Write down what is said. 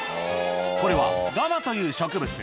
これはガマという植物